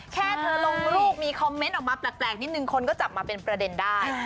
แค่เธอลงรูปมีคอมเมนต์ออกมาแปลกนิดนึงคนก็จับมาเป็นประเด็นได้